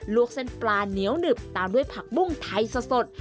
วกเส้นปลาเหนียวหนึบตามด้วยผักบุ้งไทยสด